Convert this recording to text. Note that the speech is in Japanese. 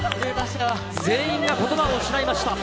全員がことばを失いました。